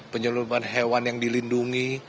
penyelundupan hewan yang dilindungi